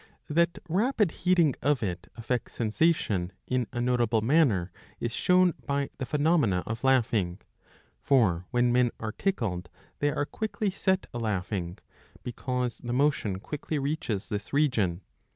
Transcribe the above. That rapid heating of it affects sensation in a notable manner is 673 a. 84 iii. 10. ■ shown by the phenomena of laughing. For when men are tickled they are quickly set a laughing, because the motion quickly reaches this region.